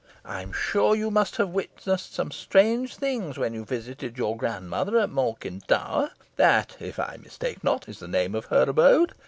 I'm sure you must have witnessed some strange things when you visited your grandmother at Malkin Tower that, if I mistake not, is the name of her abode?